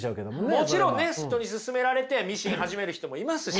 もちろんね人に勧められてミシン始める人もいますし。